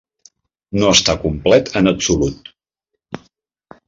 No està complet en absolut.